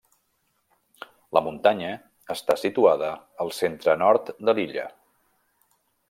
La muntanya està situada al centre-nord de l'illa.